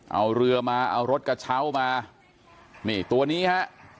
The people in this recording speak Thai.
เอาเรือมาเอารถกระเช้ามานี่ตัวนี้ฮะ